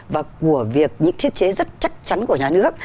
và của việc những thiết chế rất chắc chắn của nhà nước